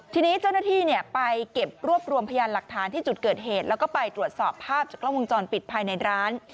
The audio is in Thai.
ทีนี้เจ้าหน้าที่ไปเก็บรวบรวมพยานหลักฐานที่จุดเกิดเหตุแล้วก็ไปตรวจสอบภาพจากกล้องวงจรปิดภายในร้าน